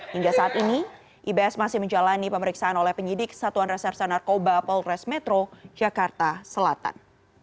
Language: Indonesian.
hingga saat ini ibs masih menjalani pemeriksaan oleh penyidik satuan reserse narkoba polres metro jakarta selatan